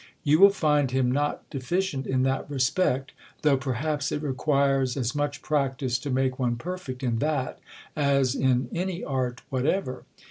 You will find him not deficient in that respect ; though per haps it requires as much practice to make one perfect in that, as in any art whatever.